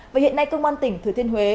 và hiện nay công an tỉnh thừa thiên huế